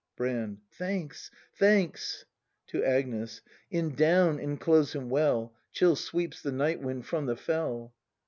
Brand. Thanks, thanks! [To Agnes.] In down enclose him well; Chill sweeps the night wind from the fell.